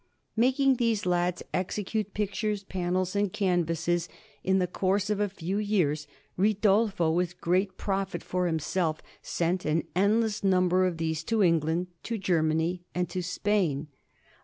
Making these lads execute pictures, panels, and canvases, in the course of a few years Ridolfo, with great profit for himself, sent an endless number of these to England, to Germany, and to Spain.